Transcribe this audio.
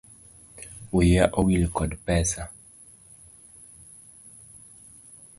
Wiya owil kod pesa.